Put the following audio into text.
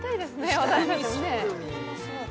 私たちもね。